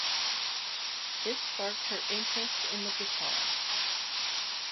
This sparked her interest in the guitar.